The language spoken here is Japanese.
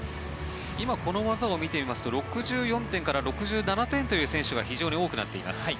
今、この技を見てみますと６４点から６７点という選手が非常に多くなっています。